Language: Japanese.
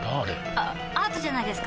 あアートじゃないですか？